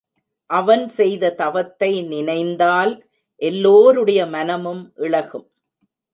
அவன் செய்த தவத்தை நினைந்தால் எல்லோருடைய மனமும் இளகும்.